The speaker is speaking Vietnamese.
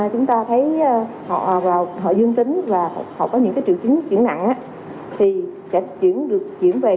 chúng ta thấy họ dương tính và họ có những triệu chứng chuyển nặng thì sẽ chuyển được chuyển về